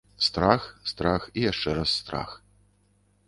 Страх, страх і яшчэ раз страх.